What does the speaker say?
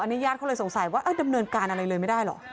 อันนี้ญาติเขาเลยสงสัยว่าดำเนินการอะไรเลยไม่ได้เหรอ